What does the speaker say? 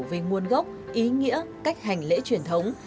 về nguồn gốc ý nghĩa cách hành lễ truyền thống